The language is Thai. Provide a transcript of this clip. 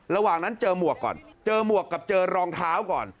ระหว่างนั้นเจอหมวกก่อนเจอหมวกกับเจอรองเท้าก่อน